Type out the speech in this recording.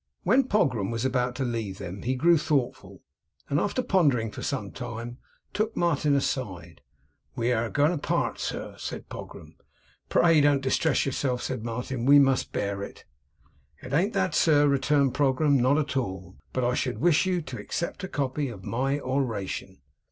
When Pogram was about to leave them he grew thoughtful, and after pondering for some time, took Martin aside. 'We air going to part, sir,' said Pogram. 'Pray don't distress yourself,' said Martin; 'we must bear it.' 'It ain't that, sir,' returned Pogram, 'not at all. But I should wish you to accept a copy of My oration.